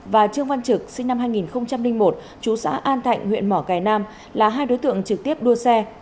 và trương văn trực sinh năm hai nghìn một chú xã an thạnh huyện mỏ cải nam là hai đối tượng trực tiếp đua xe